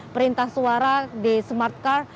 perintah suara di smart car